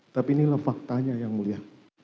tapi inilah faktanya yang mulia